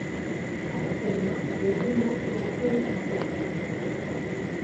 Actuellement les deux noms sont coofficiels.